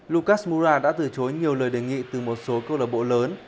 lucas moura đã từ chối nhiều lời đề nghị từ một số cơ lộc bộ lớn